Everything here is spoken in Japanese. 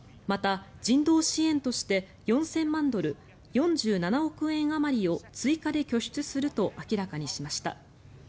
また人道支援として４０００万ドル４７億円あまりを追加で拠出すると明らかにしました。